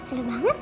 seru banget lah